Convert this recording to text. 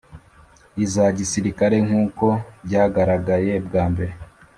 iza gisirikare nk’uko byagaragaye bwa mbere